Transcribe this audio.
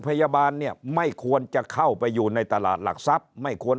พยาบาลเนี่ยไม่ควรจะเข้าไปอยู่ในตลาดหลักทรัพย์ไม่ควร